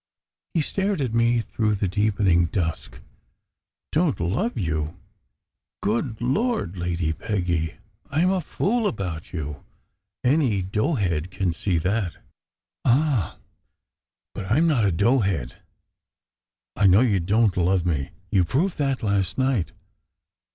He stared at me through the deepening dusk. "Don t love you? Good Lord, Lady Peggy, I m a fool about you! Any dough head can see that." "Ah, but I m not a dough head. I know you don t love me. You proved that last night."